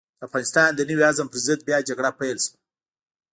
د افغانستان د نوي عزم پر ضد بيا جګړه پيل شوه.